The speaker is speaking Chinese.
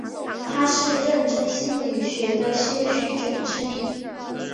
他是认知心理学的先驱者之一。